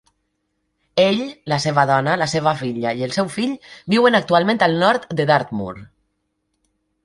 Ell, la seva dona, la seva filla i el seu fill viuen actualment al nord de Dartmoor.